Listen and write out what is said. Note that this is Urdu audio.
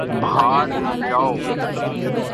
بھاڑ میں جاؤ